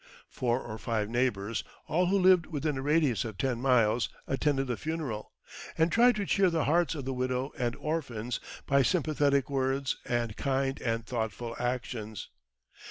Four or five neighbours, all who lived within a radius of ten miles, attended the funeral, and tried to cheer the hearts of the widow and orphans by sympathetic words and kind and thoughtful actions.